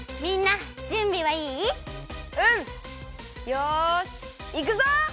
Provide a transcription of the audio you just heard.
よしいくぞ！